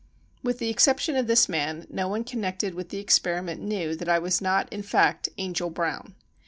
With the exception of this man, no one connected with the experiment knew that I was not in fact "Angel Brown."